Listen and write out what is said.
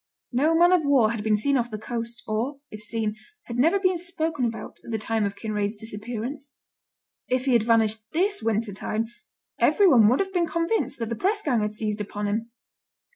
No man of war had been seen off the coast, or, if seen, had never been spoken about, at the time of Kinraid's disappearance. If he had vanished this winter time, every one would have been convinced that the press gang had seized upon him.